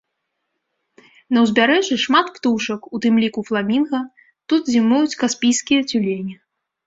На ўзбярэжжы шмат птушак, у тым ліку фламінга, тут зімуюць каспійскія цюлені.